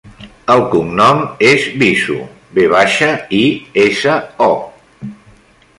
El cognom és Viso: ve baixa, i, essa, o.